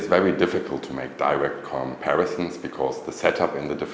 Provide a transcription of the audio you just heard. vì các cơ hội truyền thông báo ở các nước khác rất khác nhau